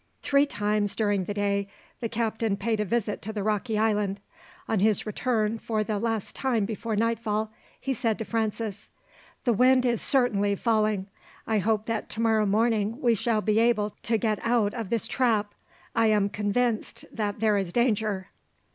Three times during the day the captain paid a visit to the rocky island. On his return for the last time before nightfall he said to Francis: "The wind is certainly falling. I hope that tomorrow morning we shall be able to get out of this trap. I am convinced that there is danger."